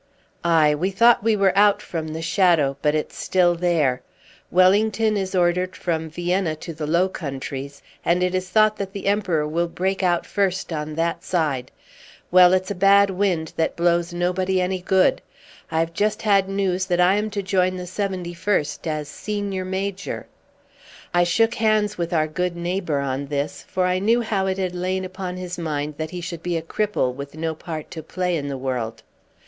"Aye, we thought we were out from the shadow, but it's still there. Wellington is ordered from Vienna to the Low Countries, and it is thought that the Emperor will break out first on that side. Well, it's a bad wind that blows nobody any good. I've just had news that I am to join the 71st as senior major." I shook hands with our good neighbour on this, for I knew how it had lain upon his mind that he should be a cripple, with no part to play in the world.